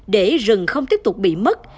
để rừng không tiếp tục bị mất